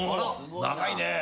長いねぇ。